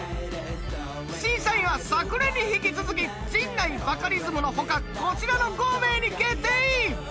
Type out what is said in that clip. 審査員は昨年に引き続き陣内バカリズムの他こちらの５名に決定。